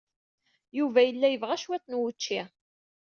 Yuba yella yebɣa cwiṭ n wučči.